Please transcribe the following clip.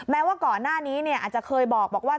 แม้ว่าก่อนหน้านี้อาจจะเคยบอกว่า